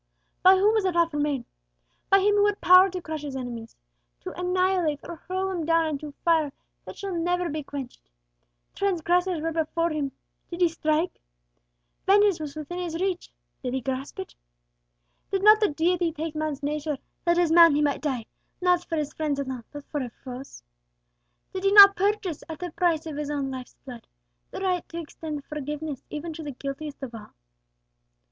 By whom was that offer made? By Him who had power to crush His enemies to annihilate or hurl them down into fire that shall never be quenched. Transgressors were before Him; did He strike? Vengeance was within His reach; did He grasp it? Did not the Deity take man's nature, that as Man He might die, not for His friends alone, but for His foes? Did He not purchase, at the price of His own life's blood, the right to extend free forgiveness even to the guiltiest of all?"